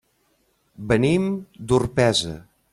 Venim d'Orpesa.